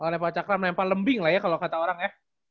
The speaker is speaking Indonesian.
oh lempar cakram lempar lembing lah ya kalau kata orang ya